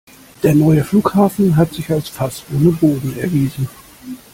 Der neue Flughafen hat sich als Fass ohne Boden erwiesen.